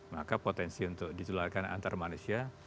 maka potensi untuk ditularkan antar manusia